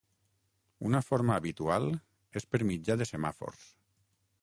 Una forma habitual és per mitjà de semàfors.